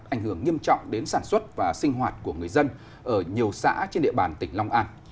ảnh hưởng nghiêm trọng đến sản xuất và sinh hoạt của người dân ở nhiều xã trên địa bàn tỉnh long an